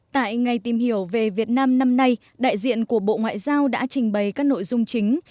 tại ngày tìm hiểu về việt nam năm nay đại diện của bộ ngoại giao đã trình bày các nội dung chính